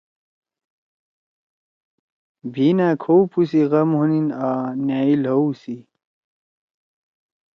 بھی نأ کھؤپُو سی غم ہونیِن آں نأئی لھؤ سی۔“